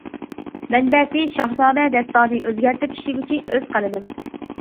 مەنبەسى :‹ ‹شاھنامە› › داستانى ئۆزگەرتىپ ئىشلىگۈچى ئۆز قەلىمىم.